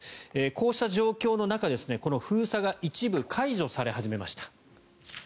こうした状況の中、封鎖が一部解除され始めました。